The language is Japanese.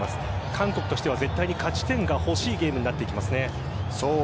韓国としては絶対に勝ち点が欲しいゲームになってきますよね。